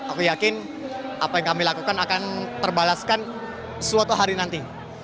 aku yakin apa yang kami lakukan akan terbalaskan suatu hari nanti